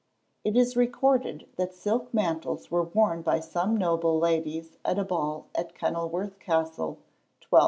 It is recorded that silk mantles were worn by some noble ladies at a ball at Kenilworth Castle, 1286.